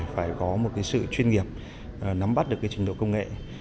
phải có một sự chuyên nghiệp nắm bắt được trình độ công nghệ